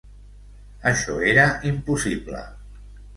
Això era impossible.